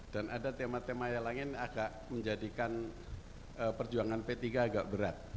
dan ada tema tema yang lain agak menjadikan perjuangan p tiga agak berat